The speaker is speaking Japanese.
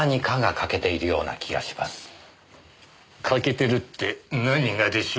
欠けてるって何がでしょうか？